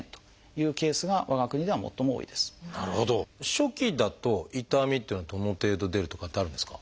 初期だと痛みっていうのはどの程度出るとかってあるんですか？